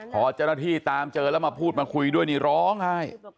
พอเจ้าหน้าที่ตามเจอแล้วมาพูดมาคุยด้วยนี่ร้องไห้